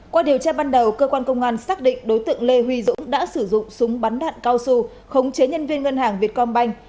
qua điều tra ban đầu cơ quan công an xác định đối tượng lê huy dũng đã sử dụng súng bắn đạn cao su khống chế nhân viên ngân hàng việt công banh